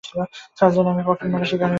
Sergeant, আমি পকেটমারের শিকার হয়েছি!